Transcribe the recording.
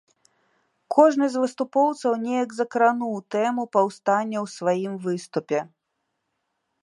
Кожны з выступоўцаў неяк закрануў тэму паўстання ў сваім выступе.